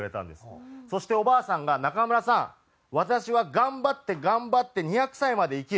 そしておばあさんが「中村さん私は頑張って頑張って２００歳まで生きる」。